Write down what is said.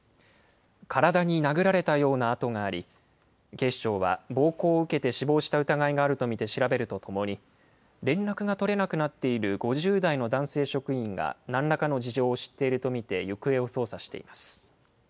体に殴られたような痕があり、警視庁は暴行を受けて死亡した疑いがあると見て調べるとともに、連絡が取れなくなっている５０代の男性職員がなんらかの事情を知っていると見て行方を捜査しています。